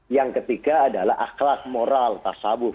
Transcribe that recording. yang ketiga adalah akhlak moral tasabuh